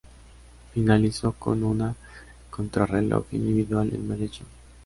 Finalizó con una contrarreloj individual en Medellín.